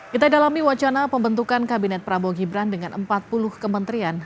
kita dalami wacana pembentukan kabinet prabowo gibran dengan empat puluh kementerian